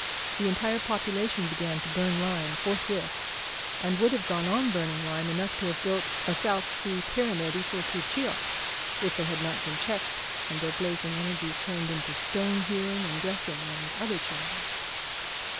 The entire population began to burn lime forthwith, and would have gone on burning lime enough to have built a South Sea pyramid equal to Cheops, if they had not been checked and their blazing energies turned into stone hewing and dressing, and other channels.